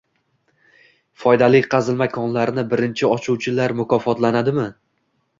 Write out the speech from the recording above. Foydali qazilma konlarini birinchi ochuvchilar mukofotlanadimi?